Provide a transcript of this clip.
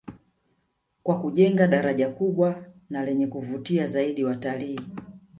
Kwa kujenga daraja kubwa na lenye kuvutia zaidi watalii